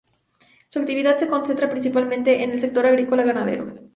Su actividad se concentra principalmente en el sector agrícola ganadero.